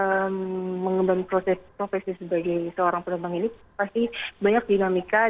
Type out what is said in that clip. oke selama saya mengembang proses profesi sebagai seorang penumpang ini pasti banyak dinamiknya